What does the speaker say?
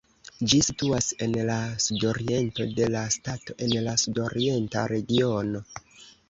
Ĝi situas en la sudoriento de la stato en la Sudorienta regiono.